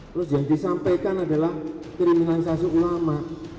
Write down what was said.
terus yang disampaikan adalah kriminalisasi ulama